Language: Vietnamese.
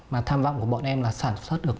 mà tham vọng của bọn em là sản xuất được